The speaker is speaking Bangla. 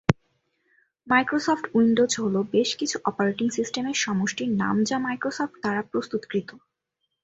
মাইক্রোসফট উইন্ডোজ হল বেশ কিছু অপারেটিং সিস্টেমের সমষ্টির নাম যা মাইক্রোসফট দ্বারা প্রস্তুতকৃত।